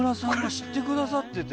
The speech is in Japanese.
知ってくださってて。